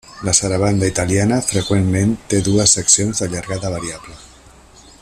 La sarabanda italiana freqüentment té dues seccions de llargada variable.